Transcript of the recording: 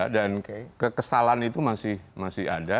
dan kekesalan itu masih ada